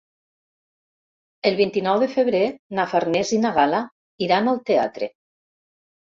El vint-i-nou de febrer na Farners i na Gal·la iran al teatre.